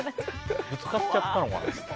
ぶつかっちゃったのかな。